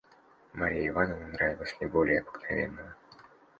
Марья Ивановна нравилась мне более обыкновенного.